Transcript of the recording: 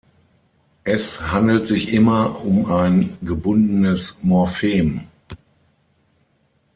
Es handelt sich immer um ein gebundenes Morphem.